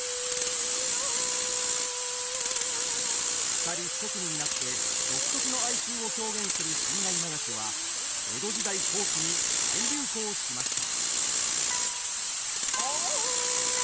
二人一組になって独特の哀愁を表現する新内流しは江戸時代後期に大流行しました。